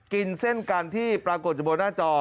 กินเส้นกันที่ปรากฏอยู่บนหน้าจอ